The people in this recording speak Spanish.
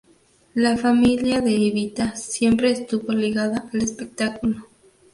La familia de Evita siempre estuvo ligada al espectáculo.